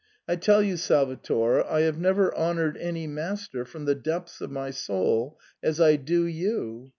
I tell you, Salvator, I have never honoured any master from the depths of my soul as I do you.